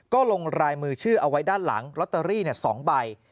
ก็ลงรายมือชื่อเอาไว้ด้านหลังลอตเตอรี่๒ใบ